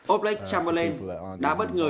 oplek chamberlain đã bất ngờ